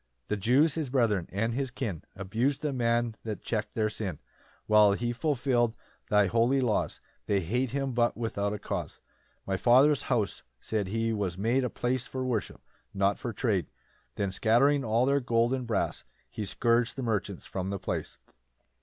2 The Jews, his brethren and his kin, Abus'd the man that check'd their sin: While he fulfill'd thy holy laws, They hate him, but without a cause. 3 ["My Father's house, said he, was made "A place for worship, not for trade;" Then scattering all their gold and brass, He scourg'd the merchants from the place.